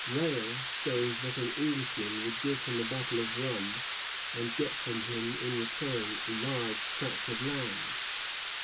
Rale says that an Englishman would give an Indian a bottle of rum, and get from him in return a large tract of land.